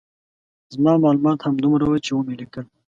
زما معلومات همدومره وو چې ومې لیکل.